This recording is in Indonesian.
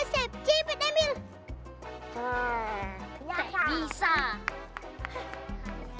tapi dumba dumba kau itu bisa kena